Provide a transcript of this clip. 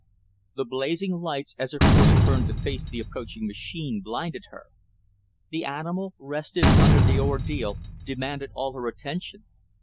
The blazing lights, as her horse turned to face the approaching machine, blinded her. The animal restive under the ordeal, demanded all her attention.